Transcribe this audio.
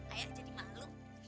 ayah jadi malu